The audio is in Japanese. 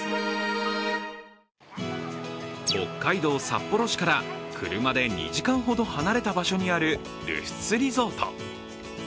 北海道札幌市から車で２時間ほど離れた所にあるルスツリゾート。